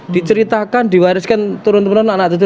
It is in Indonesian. diceritakan diwariskan turun turun anak itu